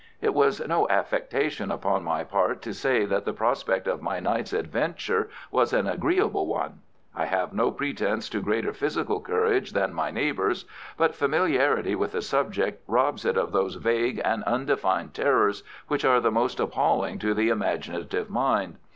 It was no affectation upon my part to say that the prospect of my night's adventure was an agreeable one. I have no pretence to greater physical courage than my neighbours, but familiarity with a subject robs it of those vague and undefined terrors which are the most appalling to the imaginative mind.